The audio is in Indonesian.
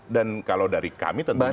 dan kalau dari kami tentunya